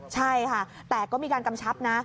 ใช่ค่ะแต่ก็มีการกำชับนะ